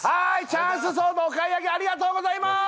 チャンスソードお買い上げありがとうございます